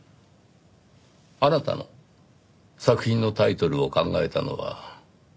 あなたの作品のタイトルを考えたのは澤田さんですね？